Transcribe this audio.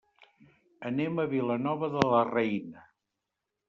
Anem a Vilanova de la Reina.